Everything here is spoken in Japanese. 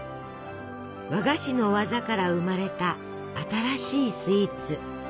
和菓子の技から生まれた新しいスイーツ。